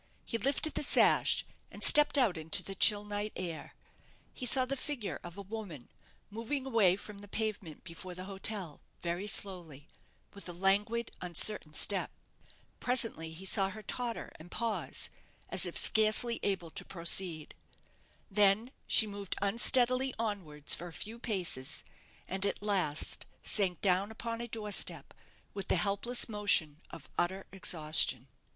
He lifted the sash, and stepped out into the chill night air. He saw the figure of a woman moving a way from the pavement before the hotel very slowly, with a languid, uncertain step. Presently he saw her totter and pause, as if scarcely able to proceed. Then she moved unsteadily onwards for a few paces, and at last sank down upon a door step, with the helpless motion of utter exhaustion.